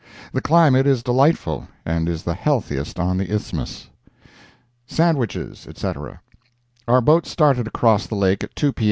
The climate is delightful, and is the healthiest on the Isthmus. SANDWICHES, ETC. Our boat started across the lake at 2 P.